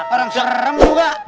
orang serem lu kak